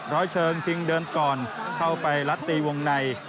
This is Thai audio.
ร้อยเชิงชิงเดินก่อนเข้าไปรัดตีวงใน